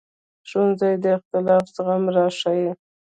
ښوونځی د اختلاف زغم راښيي